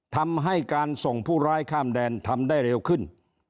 ทำให้การส่งผู้ร้ายข้ามแดนทำได้เร็วขึ้น